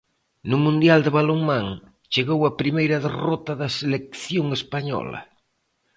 No mundial de balonmán, chegou a primeira derrota da selección española.